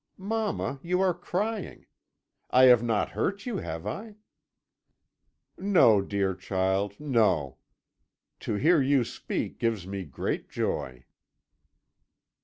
Mamma, you are crying. I have not hurt you, have I?' "'No, dear child, no. To hear you speak gives me great joy.'